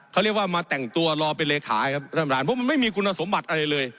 เขาเรียกว่ามาแต่งตัวรอเป็นเลขาครับท่านประธานเพราะมันไม่มีคุณสมบัติอะไรเลย